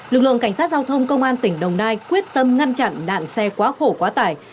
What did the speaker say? lực lượng cảnh sát giao thông công an tỉnh đồng nai quyết tâm ngăn chặn nạn xe quá khổ quá tải